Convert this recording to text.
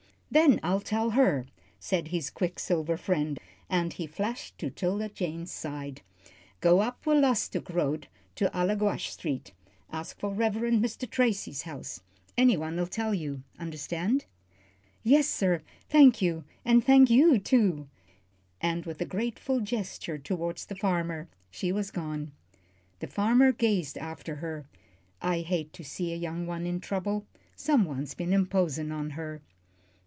"Then I'll tell her," said his quicksilver friend, and he flashed to 'Tilda Jane's side. "Go up Wallastook Street to Allaguash Street. Ask for Reverend Mr. Tracy's house. Any one'll tell you understand?" "Yes, sir thank you; and thank you, too," and with a grateful gesture toward the farmer, she was gone. The farmer gazed after her. "I hate to see a young one in trouble. Someone's been imposin' on her."